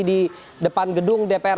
di depan gedung dpr